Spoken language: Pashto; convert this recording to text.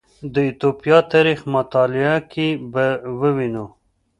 د ایتوپیا تاریخ مطالعه کې به ووینو